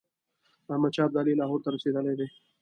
احمدشاه ابدالي لاهور ته رسېدلی دی.